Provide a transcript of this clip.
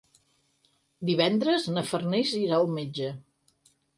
Divendres na Farners irà al metge.